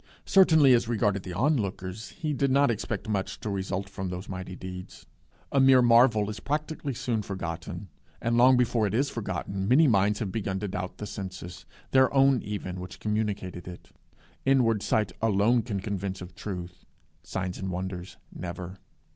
Certainly, as regarded the onlookers, he did not expect much to result from those mighty deeds. A mere marvel is practically soon forgotten, and long before it is forgotten, many minds have begun to doubt the senses, their own even, which communicated it. Inward sight alone can convince of truth; signs and wonders never.